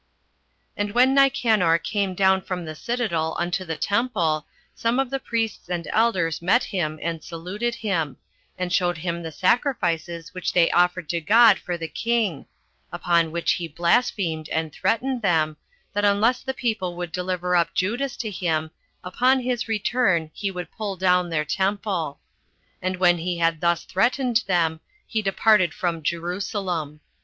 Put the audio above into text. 5. And when Nicanor came down from the citadel unto the temple, some of the priests and elders met him, and saluted him; and showed him the sacrifices which they offered to God for the king: upon which he blasphemed, and threatened them, that unless the people would deliver up Judas to him, upon his return he would pull down their temple. And when he had thus threatened them, he departed from Jerusalem.